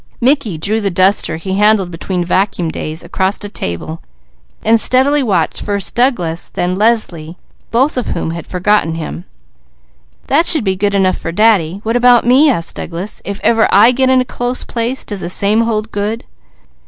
Mickey drew the duster he handled between vacuum days across a table and steadily watched first Douglas, then Leslie, both of whom had forgotten him. "That should be good enough for Daddy; what about me?" asked Douglas. "If ever I get in a close place, does the same hold good?"